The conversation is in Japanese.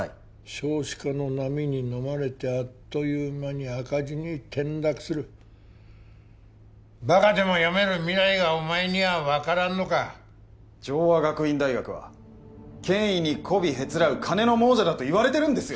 少子化の波にのまれてあっという間に赤字に転落するバカでも読める未来がお前には分からんのか城和学院大学は権威にこびへつらう金の亡者だと言われてるんですよ